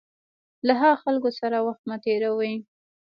له هغه خلکو سره وخت مه تېروئ.